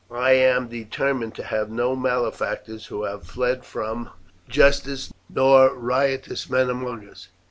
I am determined to have no malefactors who have fled from justice nor riotous men among us.